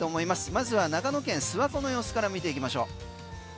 まずは長野県・諏訪湖の様子から見ていきましょう。